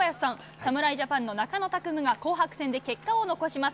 侍ジャパンの中野拓夢が紅白戦で結果を残します。